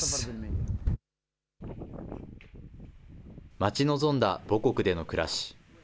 待ち望んだ母国での暮らし。